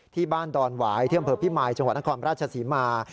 ที่บ้านดอนหวายเที่ยวอำเภอพี่มายจังหวัดนครราชศรีมาร